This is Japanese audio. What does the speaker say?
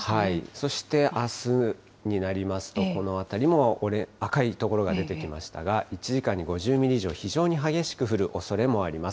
そしてあすになりますと、この辺りも、赤い所が出てきましたが、１時間に５０ミリ以上、非常に激しく降るおそれもあります。